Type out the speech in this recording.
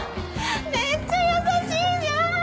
めっちゃ優しいじゃん！